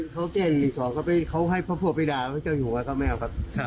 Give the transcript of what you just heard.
เขาแก้นอีกสองเขาให้พระพวกไปด่าเขาไม่เอาครับ